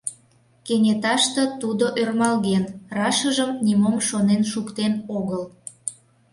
Кенеташте тудо ӧрмалген, рашыжым нимом шонен шуктен огыл.